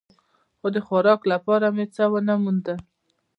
خو د خوراک لپاره مې څه و نه موندل.